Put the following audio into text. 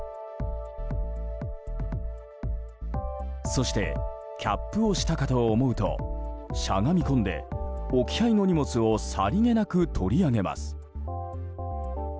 そしてキャップをしたかと思うとしゃがみ込んで置き配の荷物をさりげなく取り上げます。